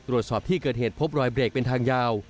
ตรวจสอบที่เกิดเหตุพบรอยเบรกเป็นทางยาว